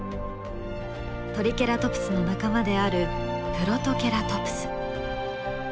トリケラトプスの仲間であるプロトケラトプス。